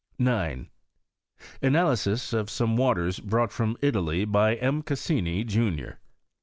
i 9. Analysis of some waters brought from Italy by M. Cassini, junior.